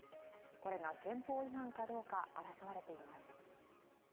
これが憲法違反かどうか争われています。